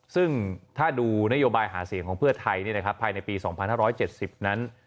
ซึ่งถ้าดูนโยบายหาเสียงของเพื่อไทยภายในปี๒๕๗๐นั้น